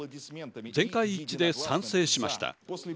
全会一致で賛成しました。